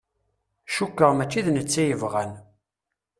Cukkeɣ mačči d netta i yebɣan.